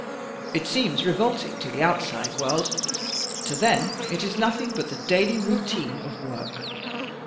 It seems revolting to the outside world. To them it is nothing but the daily routine of work.